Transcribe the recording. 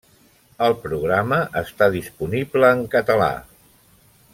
El programa està disponible en català.